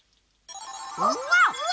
うわ！